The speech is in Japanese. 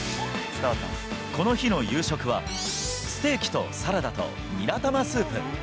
この日の夕食は、ステーキとサラダとニラ玉スープ。